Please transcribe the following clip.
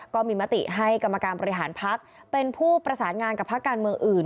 ก็มีมติให้กรรมการบริหารพักเป็นผู้ประสานงานกับพักการเมืองอื่น